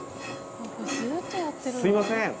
すいません。